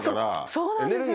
そうなんですよ。